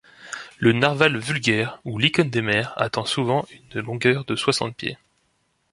Le narwal vulgaire ou licorne de mer atteint souvent une longueur de soixante pieds.